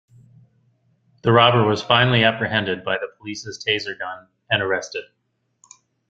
The robber was finally apprehended by the police's taser gun and arrested.